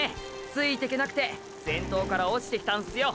ついてけなくて先頭から落ちてきたんすよ